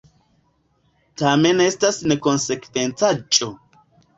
Tamen estas nekonsekvencaĵo.